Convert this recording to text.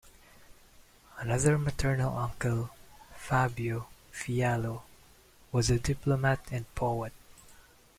Another maternal uncle, Fabio Fiallo, was a diplomat and poet.